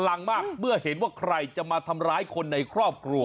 ลังมากเมื่อเห็นว่าใครจะมาทำร้ายคนในครอบครัว